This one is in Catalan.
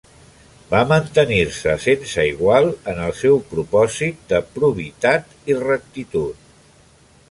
Va mantenir-se sense igual en el seu propòsit de probitat i rectitud.